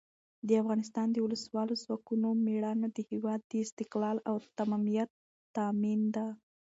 د افغانستان د وسلوالو ځواکونو مېړانه د هېواد د استقلال او تمامیت ضامن ده.